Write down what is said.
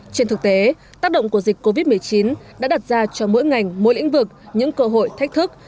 trên thực tế tác động của dịch covid một mươi chín đã đặt ra cho mỗi ngành mỗi lĩnh vực những cơ hội thách thức